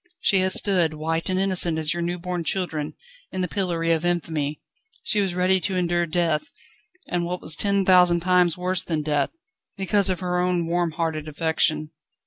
She has stood, white and innocent as your new born children, in the pillory of infamy. She was ready to endure death, and what was ten thousand times worse than death, because of her own warm hearted affection.